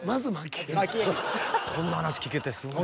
こんな話聞けてすごいな。